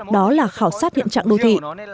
đó là khảo sát hiện trạng đô thị